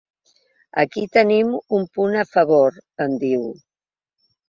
“Aquí tenim un punt a favor”, em diu.